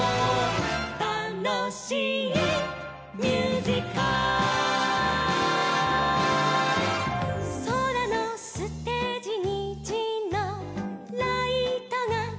「たのしいミュージカル」「そらのステージにじのライトがきらりん」